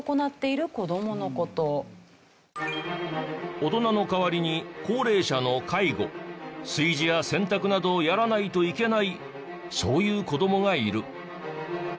大人の代わりに高齢者の介護炊事や洗濯などをやらないといけないそういう子どもがいる。